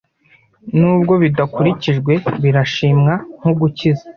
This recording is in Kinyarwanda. Nubwo bidakurikijwe birashimwa nkugukiza